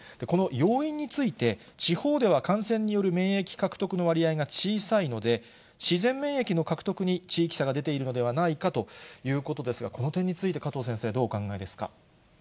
この要因について、地方では感染による免疫獲得の割合が小さいので、自然免疫の獲得に地域差が出ているのではないかということですが、この点について加藤先生はどうお考えですか。